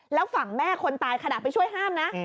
แล้วฝั่งแม่คนตายขณะไปช่วยห้ามนะ